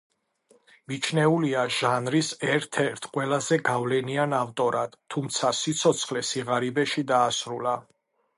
მიჩნეულია ჟანრის ერთ-ერთ ყველაზე გავლენიან ავტორად, თუმცა სიცოცხლე სიღარიბეში დაასრულა.